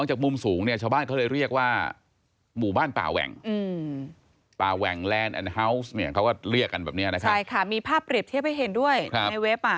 ใช่ค่ะมีภาพเปรียบเทียบให้เห็นด้วยในเว็บ